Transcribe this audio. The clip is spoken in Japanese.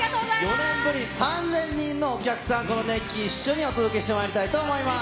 ４年ぶり、３０００人のお客さん、この熱気、一緒にお届けしてまいりたいと思います。